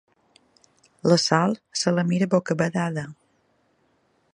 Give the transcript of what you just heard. La Sal se la mira bocabadada.